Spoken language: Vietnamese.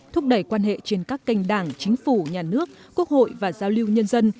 thúc đẩy quan hệ trên các kênh đảng chính phủ nhà nước quốc hội và giao lưu nhân dân